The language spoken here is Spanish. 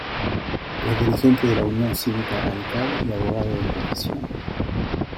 Es dirigente de la Unión Cívica Radical y Abogado de profesión.